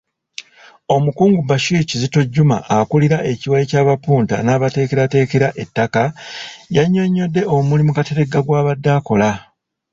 Omukungu Bashir Kizito Juma akulira ekiwayi ky’abapunta n’abateekerateekera ettaka yannyonnyodde omulimu Kateregga gw’abadde akola.